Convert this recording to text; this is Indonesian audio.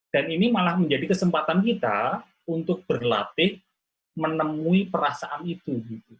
dan ini malah menjadi kesempatan kita untuk berlatih menemui perasaan itu